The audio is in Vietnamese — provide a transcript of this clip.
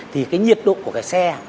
thì cái nhiệt độ của cái xe